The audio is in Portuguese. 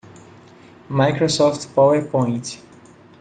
Microsoft PowerPoint.